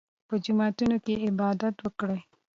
په جوماتونو کې عبادت وکړئ.